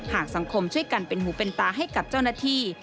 หากสังคมช่วยกันเป็นหูเป็นตาให้กับเจ้าหน้าที่